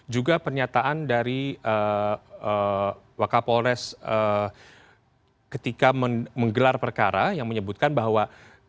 juga pernyataan dari wakapolres ketika menggelar perkara yang menyebutkan bahwa